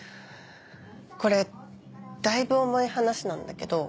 これだいぶ重い話なんだけど。